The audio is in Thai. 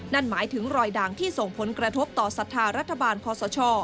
นั่นหมายถึงรอยด่างที่ส่งผลกระทบต่อศรัทธารัฐบาลพศ